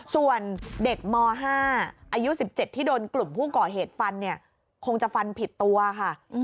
ส่วนเด็กม๕อายุ๑๗ที่โดนกลุ่มผู้ก่อเหตุฟันเนี่ยคงจะฟันผิดตัวค่ะ